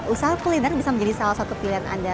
usaha kuliner bisa menjadi salah satu pilihan anda